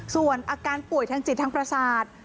ส่วนอาการป่วยทางจิตทางประสาท